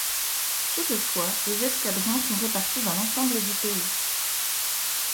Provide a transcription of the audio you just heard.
Toutefois, les escadrons sont répartis dans l'ensemble du pays.